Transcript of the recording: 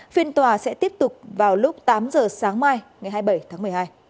phiên tòa sẽ tiếp tục vào lúc tám giờ sáng mai ngày hai mươi bảy tháng một mươi hai